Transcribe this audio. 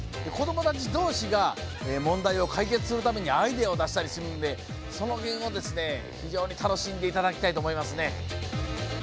子どもたちどうしが問題を解決するためにアイデアを出したりするんでその辺をですね、非常に楽しんで頂きたいと思いますね。